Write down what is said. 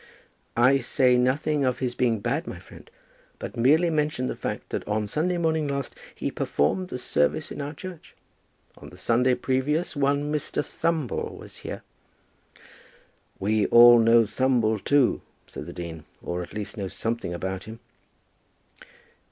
"I say nothing of his being bad, my friend, but merely mention the fact that on Sunday morning last he performed the service in our church. On the Sunday previous, one Mr. Thumble was here." "We all know Thumble, too," said the dean; "or, at least, know something about him."